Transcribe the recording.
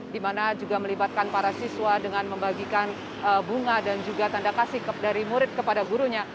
dimana juga melibatkan para siswa dengan membagikan bunga dan juga tanda kasih dari murid kepada gurunya